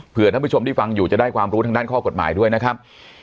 เพื่อท่านผู้ชมที่ฟังอยู่จะได้ความรู้ทางด้านข้อกฎหมายด้วยนะครับ